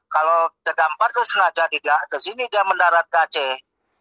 kalau di dampar itu sengaja tidak ke sini dia mendarat ke aceh